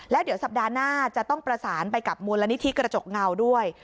แล้วเดี๋ยวสัปดาห์หน้าจะต้องประสานไปกับมูลนิธิกระจกเงาด้วย